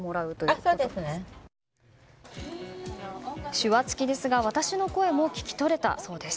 手話付きですが私の声も聞き取れたそうです。